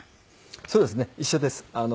そうですね一緒です。